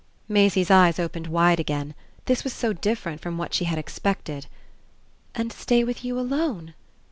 Maisie's eyes opened wide again; this was so different from what she had expected. "And stay with you alone?"